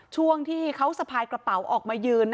ช่วงที่เขาสะพายกระเป๋าออกมายืน